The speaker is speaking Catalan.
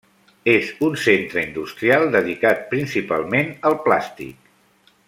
És un centre industrial dedicat principalment al plàstic.